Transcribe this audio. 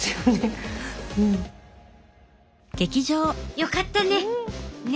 よかったね！